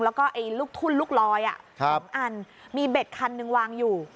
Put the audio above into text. แล้วก็ลูกทุ่นลูกลอย๒อันมีเบ็ดคันหนึ่งวางอยู่